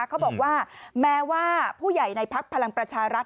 เขาบอกว่าแม้ว่าผู้ใหญ่ในพักพลังประชารัฐ